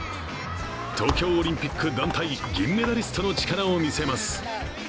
東京オリンピック団体銀メダリストの力を見せます。